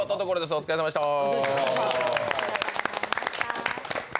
お疲れさまでした。